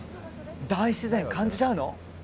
大自然感じちゃうの？